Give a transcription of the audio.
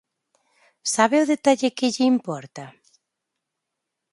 ¿Sabe o detalle que lle importa?